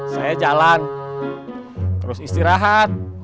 saya jalan terus istirahat